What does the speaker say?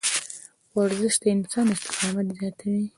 ورزش د انسان استقامت زیاتوي.